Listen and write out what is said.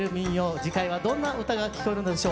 次回はどんな唄が聞こえるのでしょう。